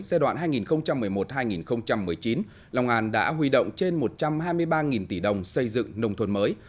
giai đoạn hai nghìn một mươi một hai nghìn một mươi chín lòng an đã huy động trên một trăm hai mươi ba tỷ đồng xây dựng nông thôn mới